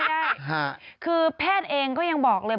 ไม่ได้คือแพทย์เองก็ยังบอกเลย